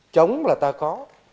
chống là ta có